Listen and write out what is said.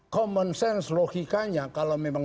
common sense logikanya kalau memang